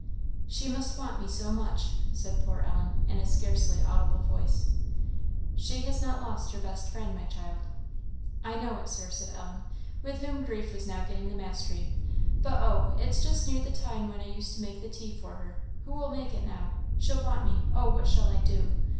"She must want me so much," said poor Ellen, in a scarcely audible voice. "She has not lost her best friend, my child." "I know it, Sir," said Ellen, with whom grief was now getting the mastery "but oh! it's just near the time when I used to make the tea for her who'll make it now? she'll want me oh, what shall I do!"